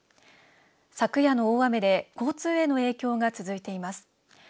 昨夜の大雨で交通への影響が続いています。